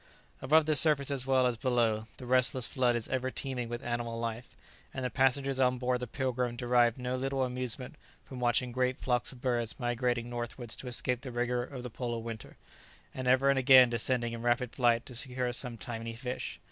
] Above the surface as well as below, the restless flood is ever teaming with animal life; and the passengers on board the "Pilgrim" derived no little amusement from watching great flocks of birds migrating northwards to escape the rigour of the polar winter, and ever and again descending in rapid flight to secure some tiny fish.